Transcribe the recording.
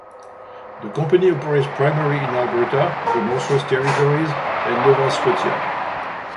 The company operates primarily in Alberta, the Northwest Territories, and Nova Scotia.